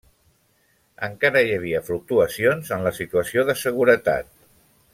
Encara hi havia fluctuacions en la situació de seguretat.